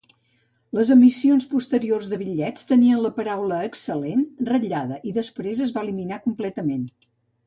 Les emissions posteriors de bitllets tenien la paraula "excel·lent" ratllada y després es va eliminar completament.